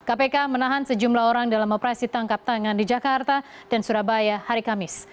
kpk menahan sejumlah orang dalam operasi tangkap tangan di jakarta dan surabaya hari kamis